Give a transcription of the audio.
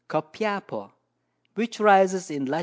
Copiapo, which rises in Lat.